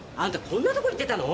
こんなとこ行ってたの？